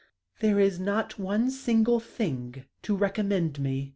There is not one single thing to recommend me."